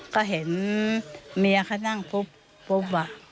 ก็เห็นเมียเขานั่งปุ๊บ